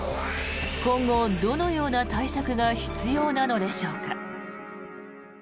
今後、どのような対策が必要なのでしょうか。